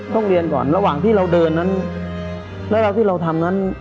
ต้องเรียนก่อนระหว่างที่เราเดินนั้นระหว่างที่เราทำนั้น